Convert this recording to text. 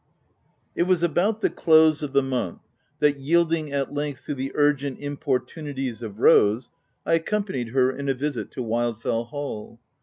It was about the close of the month, that, yielding at length to the urgent importunities of Rose, I accompanied her in a visit to Wild fell Hall.